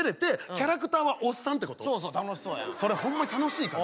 それホンマに楽しいか？